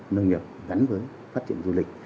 nông nghiệp gắn với phát triển du lịch